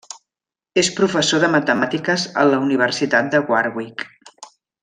És professor de matemàtiques a la universitat de Warwick.